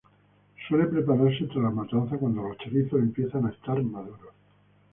Suele prepararse tras las matanza cuando los chorizos empiezan a estar maduros.